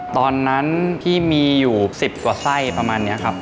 ตอนนั้นพี่มีอยู่๑๐กว่าไส้ประมาณนี้ครับ